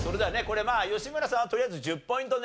これ吉村さんはとりあえず１０ポイント